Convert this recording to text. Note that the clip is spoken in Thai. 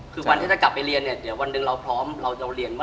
คือวันที่จะกลับไปเรียนเนี่ย